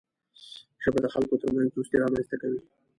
ژبه د خلکو ترمنځ دوستي رامنځته کوي